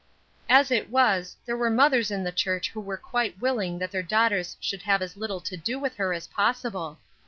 As it was, there were mothers in the church who were quite willing that their daughters should have as little to do with her as possible.